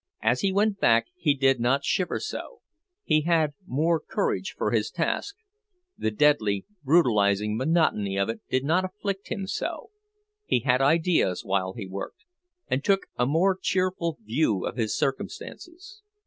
As he went back he did not shiver so, he had more courage for his task; the deadly brutalizing monotony of it did not afflict him so,—he had ideas while he worked, and took a more cheerful view of his circumstances.